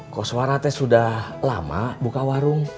kok suara teh sudah lama buka warung